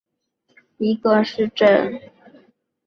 哈内尔斯多夫是奥地利布尔根兰州上瓦特县的一个市镇。